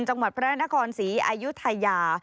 จังหวัดพระนครศรีอายุทยา